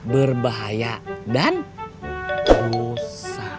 berbahaya dan rusak